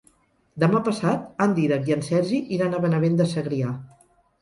Demà passat en Dídac i en Sergi iran a Benavent de Segrià.